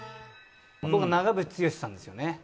僕は長渕剛さんですよね。